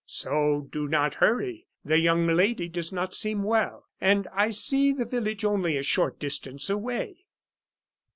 So do not hurry, the young lady does not seem well, and I see the village only a short distance away."